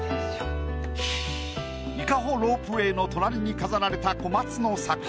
伊香保ロープウェイの隣に飾られた小松の作品。